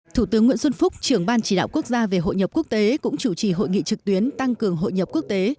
thủ tướng nguyễn xuân phúc trưởng ban chỉ đạo quốc gia về hội nhập quốc tế cũng chủ trì hội nghị trực tuyến tăng cường hội nhập quốc tế